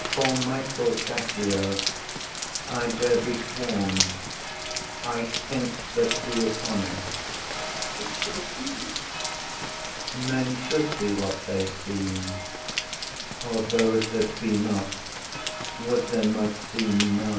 IAGO. For Michael Cassio, I dare be sworn I think that he is honest. OTHELLO. I think so too. IAGO. Men should be what they seem; Or those that be not, would they might seem none!